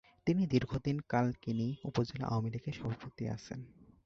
তিনি দীর্ঘ দিন কালকিনি উপজেলা আওয়ামীলীগের সভাপতি আছেন।